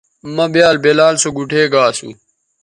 مہ بیال بلال سو گوٹھے گا اسو